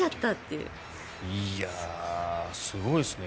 いやあ、すごいですね。